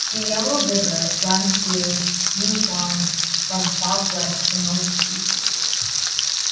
The Yellow River runs through Yinchuan from southwest to northeast.